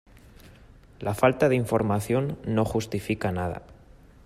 La falta de información no justifica nada.